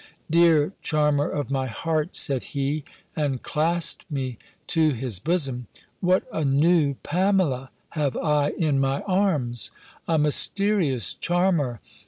"Dear charmer of my heart," said he, and clasped me to his bosom, "what a new PAMELA have I in my arms! A mysterious charmer!